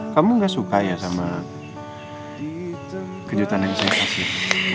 kamu gak suka ya sama kejutan yang saya kasih